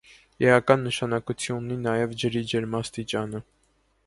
Էական նշանակություն ունի նաև. ջրի ջերմաստիճանը։